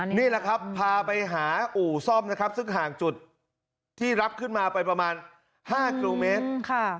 นี่แหละครับพาไปหาอู่ซ่อมนะครับซึ่งห่างจุดที่รับขึ้นมาไปประมาณ๕กิโลเมตร